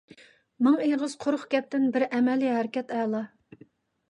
مىڭ ئېغىز قۇرۇق گەپتىن بىر ئەمەلىي ھەرىكەت ئەلا.